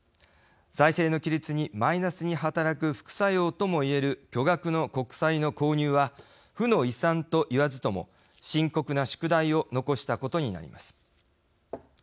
財政の規律にマイナスに働く副作用とも言える巨額の国債の購入は負の遺産と言わずとも深刻な宿題を残したことになります。